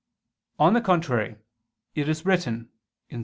On the contrary, It is written (Ps.